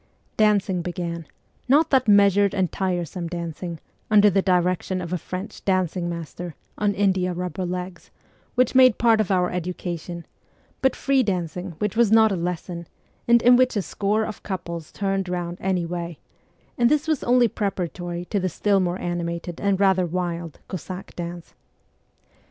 Dancing began ; not that measured and tiresome dancing, under the direction of a French dancing master ' on india rubber legs,' which made part of our education, but free dancing which was not a lesson, and in which a score of couples turned round any way; and this was only preparatory to the still more animated and rather wild Cossack dance.